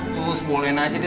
sus boleh aja